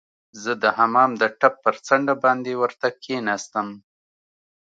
زه د حمام د ټپ پر څنډه باندې ورته کښیناستم.